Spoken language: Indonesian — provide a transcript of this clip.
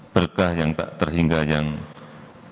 berkah yang tak terhingga yang diberikan